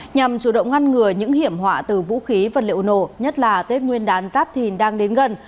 nhằm chủ động ngăn ngừa những hiểm họa từ vũ khí vật liệu nổ nhất là tết nguyên đán giáp thìn đang đến gần